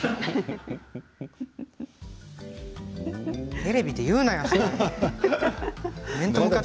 テレビで言うなよ。